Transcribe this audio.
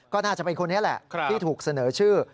ก็น่าจะเป็นคนนี้แหละที่ถูกเสนอชื่อ